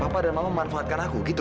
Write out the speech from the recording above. bapak dan mama memanfaatkan aku gitu